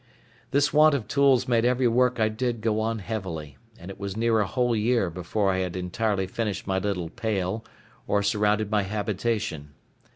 This want of tools made every work I did go on heavily; and it was near a whole year before I had entirely finished my little pale, or surrounded my habitation.